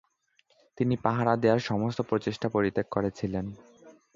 তিনি পাহারা দেওয়ার সমস্ত প্রচেষ্টা পরিত্যাগ করেছিলেন।